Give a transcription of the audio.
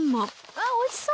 あっおいしそう。